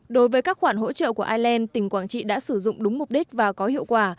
đối với các khoản hỗ trợ của ireland tỉnh quảng trị đã sử dụng đúng mục đích và có hiệu quả